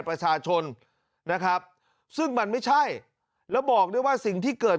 ประชาชนนะครับซึ่งมันไม่ใช่แล้วบอกด้วยว่าสิ่งที่เกิด